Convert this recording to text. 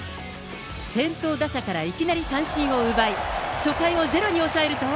先頭打者からいきなり三振を奪い、初回を０に抑えると。